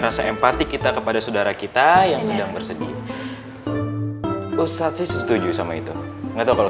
rasa empati kita kepada saudara kita yang sedang bersedih ustadz sih setuju sama itu enggak tahu kalau